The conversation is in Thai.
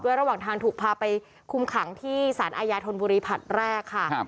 ระหว่างทางถูกพาไปคุมขังที่สารอาญาธนบุรีผัดแรกค่ะ